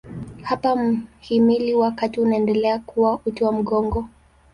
Hapa mhimili wa kati unaendelea kuwa uti wa mgongo.